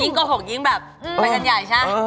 ยิ่งโกหกยิ่งแบบไปกันใหญ่ใช่ไหม